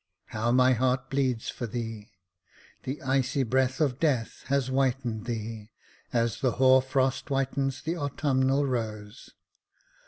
How my heart bleeds for thee ! The icy breath of death hath whitened thee, as the hoar frost whitens the autumnal rose.